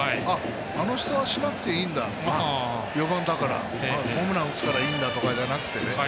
あの人はしなくていいんだ４番だから、ホームラン打つからいいんだとかじゃなくてね。